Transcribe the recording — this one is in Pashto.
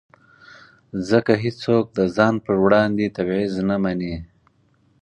ځکه هېڅوک د ځان پر وړاندې تبعیض نه مني.